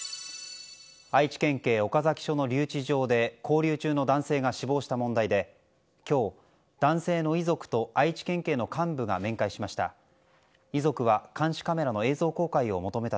愛知県警岡崎署の留置場で勾留中の男性が死亡した問題で今日男性の遺族と愛知県警の幹部が面会しました。